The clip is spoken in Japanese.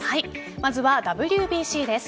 まずはＷＢＣです。